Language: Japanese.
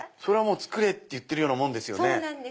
作れといってるようなもんですね。